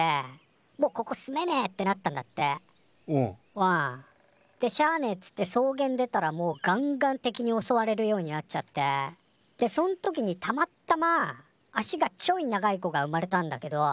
うん。でしゃあねえっつって草原出たらもうガンガン敵におそわれるようになっちゃってでそん時にたまったま足がちょい長い子が生まれたんだけど